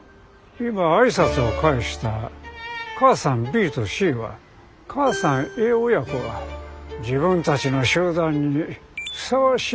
今挨拶を返した母さんＢとＣは母さんＡ親子が自分たちの集団にふさわしいか品定めしています。